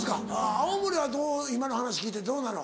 青森は今の話聞いてどうなの？